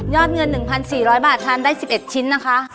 เงิน๑๔๐๐บาททานได้๑๑ชิ้นนะคะ